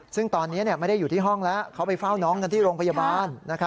ซึ่งตอนนี้ไม่ได้อยู่ที่ห้องแล้วเขาไปเฝ้าน้องกันที่โรงพยาบาล